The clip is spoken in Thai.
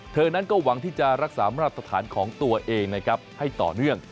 เธอนั้นก็หวังที่จะรักษามาตรฐานของตัวเองนะครับให้ต่อเนื่อง